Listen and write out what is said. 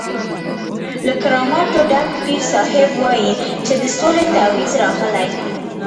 له کراماتو ډک پیر صاحب وایي چې د سولې تعویض راغلی.